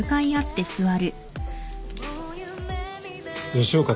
吉岡